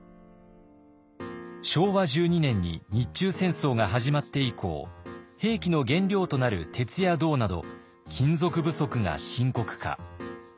昭和１２年に日中戦争が始まって以降兵器の原料となる鉄や銅など金属不足が深刻化。